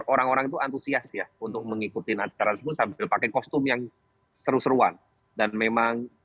orang orang itu antusias ya untuk mengikuti nanti karantina belakang kostum yang seru seruan dan memang